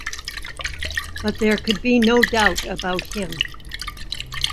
But there could be no doubt about him.